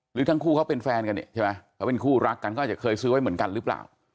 หรือทั้งคู่เขาเป็นแฟนกันเนี่ยใช่ไหมเขาเป็นคู่รักกันก็อาจจะเคยซื้อไว้เหมือนกันหรือเปล่า